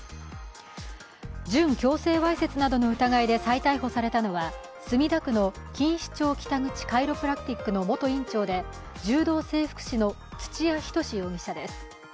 準強制わいせつなどの疑いで再逮捕さえたのは墨田区の錦糸町北口カイロプラクティックの元院長で柔道整復師の土谷仁志容疑者です。